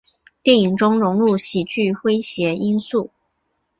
电影中融入喜剧诙谐因素。